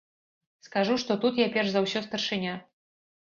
Скажу, што тут я перш за ўсё старшыня.